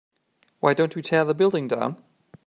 why don't we tear the building down?